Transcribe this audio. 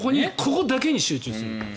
ここだけに集中する。